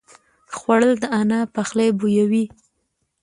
خوړل د انا پخلی بویوي